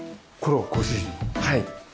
はい。